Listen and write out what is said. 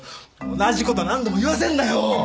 同じ事何度も言わせるなよ！